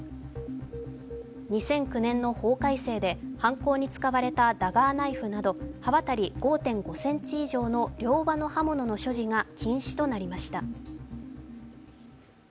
２００９年の法改正で犯行に使われたダガーナイフなど刃渡り１５ｃｍ以上の両刃の刃物の所持が禁止となりました。